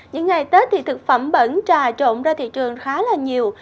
những ngày tết thì thực phẩm bẩn trà trộn ra thị trường khá là nhiều